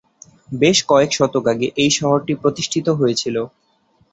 বেশ কয়েক শতক আগে এই শহরটি প্রতিষ্ঠিত হয়েছিলো।